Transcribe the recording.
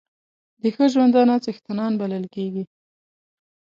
د ښه ژوندانه څښتنان بلل کېږي.